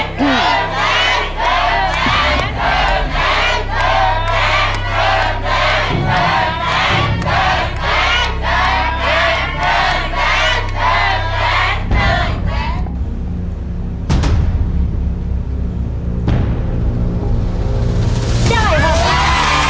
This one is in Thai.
สุดท้ายสุดท้าย